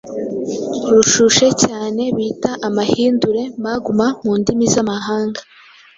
rushushe cyane bita amahindure(magma)mu ndimi z’amahanga.